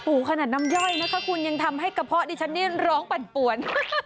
โอ้โหขนาดน้ำย่อยนะคะคุณยังทำให้กระเพาะดิฉันนี่ร้องปั่นป่วน